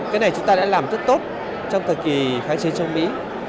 cái này chúng ta đã làm rất tốt trong thời kỳ kháng chế châu mỹ